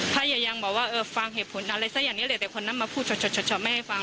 ถ้ายังยังบอกว่าเออฟังเหตุผลอะไรซะอย่างเนี้ยเลยแต่คนนั้นมาพูดชอบชอบชอบชอบไม่ให้ฟัง